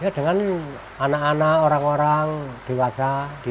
dengan anak anak orang orang dewasa